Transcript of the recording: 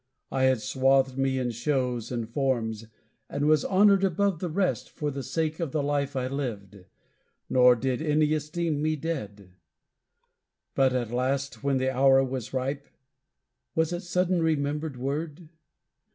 I had swathed me in shows and forms, and was honored above the rest For the sake of the life I lived; nor did any esteem me dead. But at last, when the hour was ripe was it sudden remembered word?